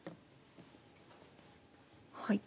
はい。